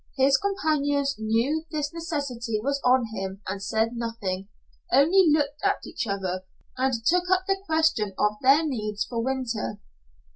His companions knew this necessity was on him, and said nothing only looked at each other, and took up the question of their needs for the winter.